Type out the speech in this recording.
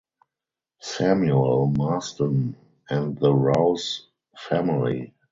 Samuel Marsden and the Rouse Family.